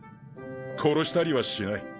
殺したりはしない。